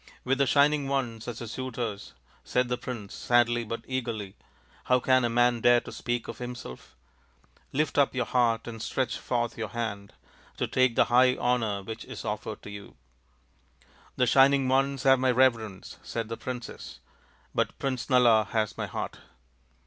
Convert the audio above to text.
" With the Shining Ones as your suitors," said the prince sadly but eagerly, " how can a man dare to speak of himself ? Lift up your heart and stretch forth your hand to take the high honour which is offered to you." " The Shining Ones have my reverence," said the princess, " but Prince Nala has my heart."